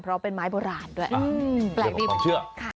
เพราะเป็นไม้โบราณด้วยแปลกดิน